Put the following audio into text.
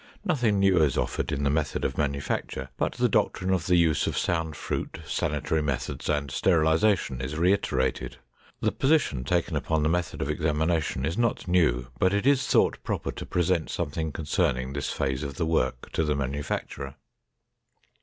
Nothing new is offered in the method of manufacture, but the doctrine of the use of sound fruit, sanitary methods, and sterilization is reiterated. The position taken upon the method of examination is not new but it is thought proper to present something concerning this phase of the work to the manufacturer.